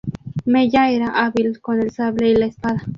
Mella era hábil con el sable y la espada.